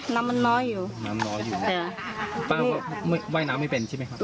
น้ำมันน้อยอยู่น้ำน้อยอยู่แต่ป้าก็ไม่ว่ายน้ำไม่เป็นใช่ไหมครับ